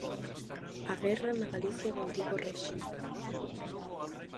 A guerra na Galicia do Antigo Réxime.